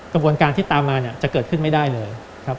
กระบวนการที่ตามมาจะเกิดขึ้นไม่ได้เลย